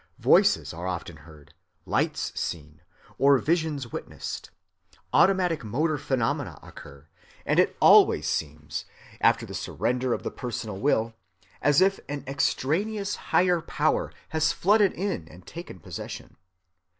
Voices are often heard, lights seen, or visions witnessed; automatic motor phenomena occur; and it always seems, after the surrender of the personal will, as if an extraneous higher power had flooded in and taken possession.